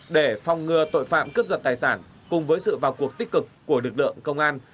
để phòng ngừa tội phạm cướp giật tài sản cùng với sự vào cuộc tích cực của lực lượng công an